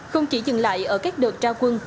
không chỉ dừng lại ở các đợt trao quân